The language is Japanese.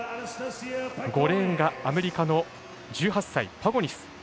５レーンがアメリカの１８歳パゴニス。